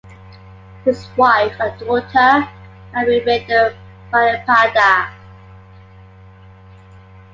His wife and daughter had remained in Baripada.